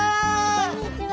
こんにちは！